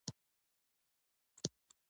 دلته مریتوب دود وو.